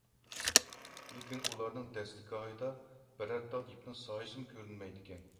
لېكىن ئۇلارنىڭ دەستىگاھىدا بىرەر تال يىپنىڭ سايىسىمۇ كۆرۈنمەيدىكەن.